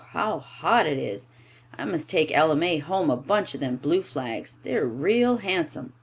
Whew, how hot it is! I must take Ella May home a bunch of them blue flags. They're real handsome!"